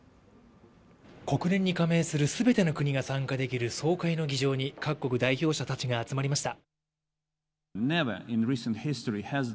国連に加盟する全ての国が参加できる総会の議場に各国代表者たちが集まりました。